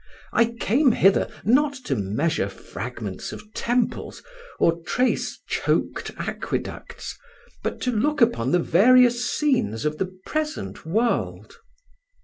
I came hither not to measure fragments of temples or trace choked aqueducts, but to look upon the various scenes of the present world."